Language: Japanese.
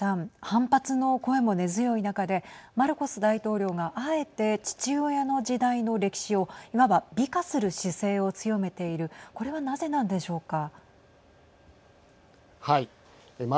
反発の声も根強い中でマルコス大統領があえて父親の時代の歴史をいわば美化する姿勢を強めているこれは、なぜなんでしょうか。